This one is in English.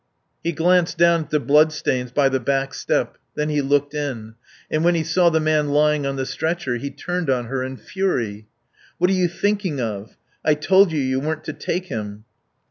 He glanced down at the blood stains by the back step; then he looked in; and when he saw the man lying on the stretcher he turned on her in fury. "What are you thinking of? I told you you weren't to take him."